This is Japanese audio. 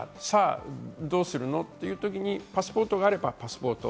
さあ、どうするの？っていう時に、パスポートがあればパスポート。